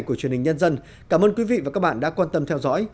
của truyền hình nhân dân cảm ơn quý vị và các bạn đã quan tâm theo dõi